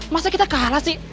masa kita kalah sih